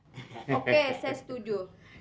oke saya setuju